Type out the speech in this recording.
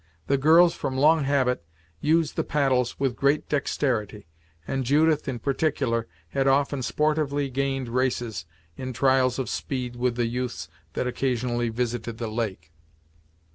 The girls, from long habit, used the paddles with great dexterity, and Judith, in particular, had often sportively gained races, in trials of speed with the youths that occasionally visited the lake.